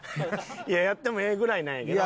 いややってもええぐらいなんやけど。